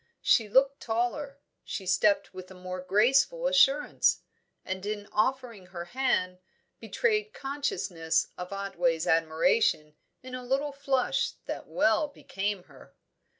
She looked taller; she stepped with a more graceful assurance, and in offering her hand, betrayed consciousness of Otway's admiration in a little flush that well became her.